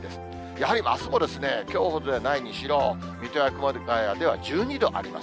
やはりあすも、きょうほどではないにしろ、水戸や熊谷では、１２度あります。